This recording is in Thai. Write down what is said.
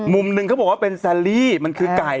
มุมหนึ่งเขาบอกว่าเป็นแซลลี่มันคือไก่